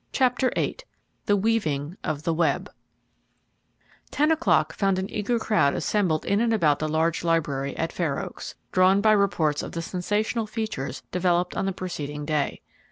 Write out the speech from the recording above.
CHAPTER VIII THE WEAVING OF THE WEB Ten o'clock found an eager crowd assembled in and about the large library at Fair Oaks, drawn by reports of the sensational features developed on the preceding day.